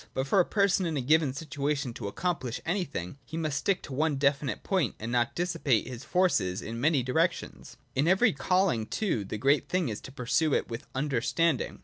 But for a person in a given situation to accomphsh anything, he must stick to one definite point, and not dissipate his forces in many directions. In every calling, too, the great thing is to pursue it with understanding.